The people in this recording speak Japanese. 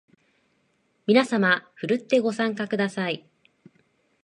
みなさまふるってご参加ください